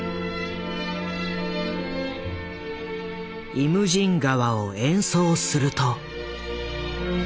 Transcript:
「イムジン河」を演奏すると。